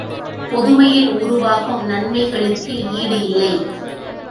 பொதுமையில் உருவாகும் நன்மைக்கு ஈடு இல்லை.